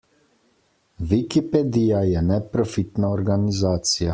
Wikipedija je neprofitna organizacija.